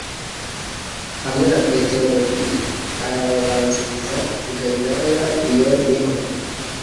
hamwe na Petero muti: arababanziriza i Galilaya, iyo ni ho